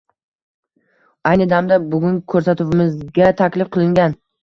ayni damda bugungi ko‘rsatuvimizga taklif qilingan